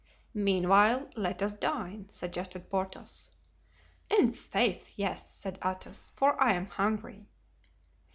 "Meanwhile, let us dine," suggested Porthos. "I'faith, yes," said Athos, "for I am hungry."